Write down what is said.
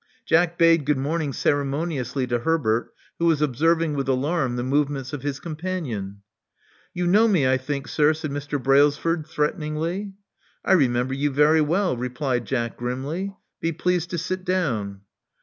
Jack bade Love Among the Artists 139 good morning ceremoniously to Herbert, who was observing with alarm the movements of his com panion. You know me, I think, sir," said Mr. Brailsford, threateningly. I remember you very well," replied Jack grimly. Be pleased to sit down."